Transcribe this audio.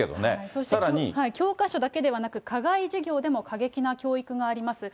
そして教科書だけではなく、課外授業でも過激な教育があります。